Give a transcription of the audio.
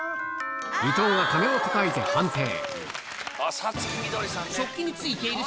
伊東が鐘をたたいて判定